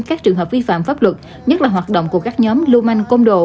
các trường hợp vi phạm pháp luật nhất là hoạt động của các nhóm lưu manh côn đồ